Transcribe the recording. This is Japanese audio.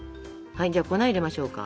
じゃあ粉入れましょうか。